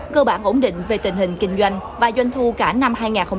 cơ bản ổn định về tình hình kinh doanh và doanh thu cả năm hai nghìn hai mươi